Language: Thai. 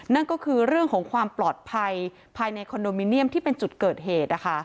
นั่นก็คือเรื่องของความปลอดภัยภายในคอนโดมิเนียมที่เป็นจุดเกิดเหตุ